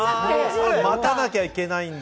待たなきゃいけないんだ。